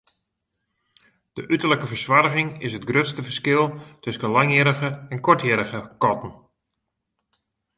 De uterlike fersoarging is it grutste ferskil tusken langhierrige en koarthierrige katten.